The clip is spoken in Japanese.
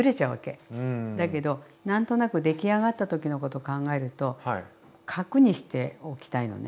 だけど何となくできあがった時のこと考えると角にしておきたいのね。